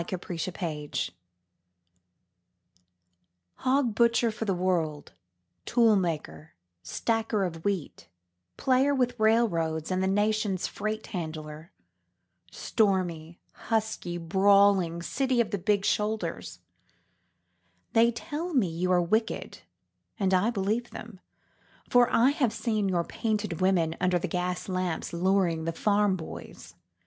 Chicago HOG Butcher for the World, Tool Maker, Stacker of Wheat, Player with Railroads and the Nation's Freight Handler; Stormy, husky, brawling, City of the Big Shoulders:They tell me you are wicked and I believe them, for I have seen your painted women under the gas lamps luring the farm boys.